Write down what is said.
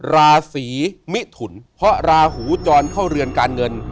ราศีมิถุนเพราะราหูจรเข้าเรือนการเงิน